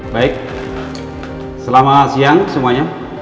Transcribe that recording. baik selamat siang semuanya